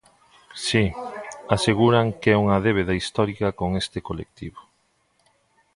Si, aseguran que é unha débeda histórica con este colectivo.